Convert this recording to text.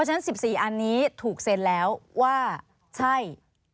ว่า๑๔อันนี้ถูกเซ็นแล้วว่าใช่